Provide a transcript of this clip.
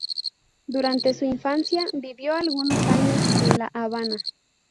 Durante su infancia, vivió algunos años en La Habana.